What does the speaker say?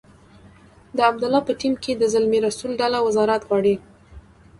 د عبدالله په ټیم کې د زلمي رسول ډله وزارت غواړي.